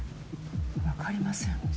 わかりません。